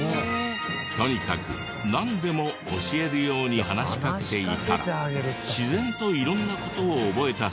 とにかくなんでも教えるように話しかけていたら自然と色んな事を覚えたそうで。